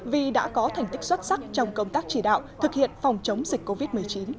vì đã có thành tích xuất sắc trong công tác chỉ đạo thực hiện phòng chống dịch covid một mươi chín